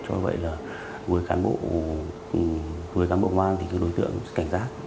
cho vậy là với cán bộ quan thì đối tượng cảnh giác